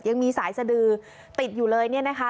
ยังมีสายสดือติดอยู่เลยเนี่ยนะคะ